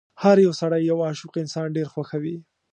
هر يو سړی یو عاشق انسان ډېر خوښوي.